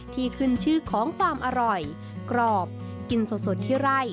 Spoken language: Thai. ที่ขึ้นชื่อของความอร่อยกรอบกินสดที่ไร่